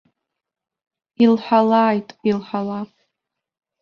Илҳәалааит, илҳәала.